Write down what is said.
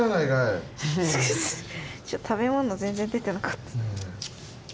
食べ物全然出てなかった。